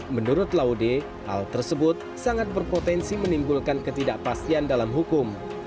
menurut laude hal tersebut sangat berpotensi menimbulkan ketidakpastian dalam hukum